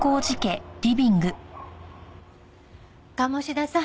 鴨志田さん。